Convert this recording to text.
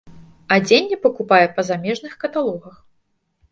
Адзенне пакупае па замежных каталогах.